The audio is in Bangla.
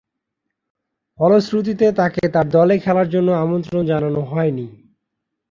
ফলশ্রুতিতে, তাকে আর দলে খেলার জন্যে আমন্ত্রণ জানানো হয়নি।